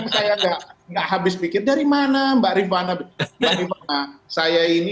saya gak habis pikir dari mana mbak rifana dari mana saya ini